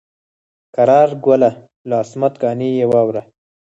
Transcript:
قرار ګله له عصمت قانع یې واوره.